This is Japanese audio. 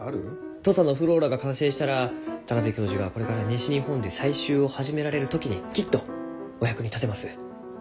土佐のｆｌｏｒａが完成したら田邊教授がこれから西日本で採集を始められる時にきっとお役に立てます。